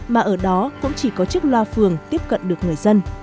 mà ở đó cũng chỉ có chiếc loa phường tiếp cận được người dân